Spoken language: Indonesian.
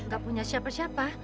gak punya siapa siapa